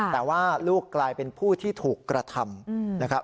แต่ว่าลูกกลายเป็นผู้ที่ถูกกระทำนะครับ